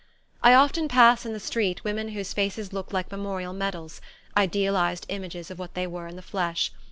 I often pass in the street women whose faces look like memorial medals idealized images of what they were in the flesh.